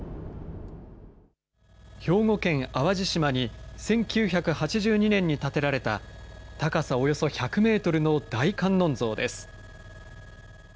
兵庫県淡路島に１９８２年に建てられた高さおよそ１００メートルの大観音像です。